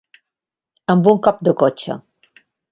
Amb un cop de cotxe.